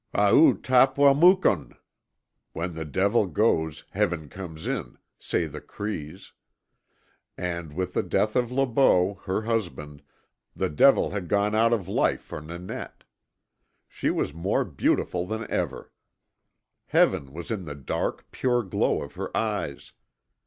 "Ao oo tap wa mukun" ("When the devil goes heaven comes in,") say the Crees. And with the death of Le Beau, her husband, the devil had gone out of life for Nanette. She was more beautiful than ever. Heaven was in the dark, pure glow of her eyes.